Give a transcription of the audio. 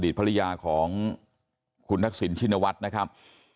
อดีตภรรยาของคุณทักษิณชินวัตรนะครับ